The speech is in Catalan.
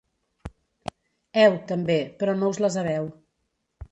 Heu, també, però no us les haveu.